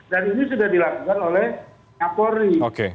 dan ini sudah dilakukan oleh kapolri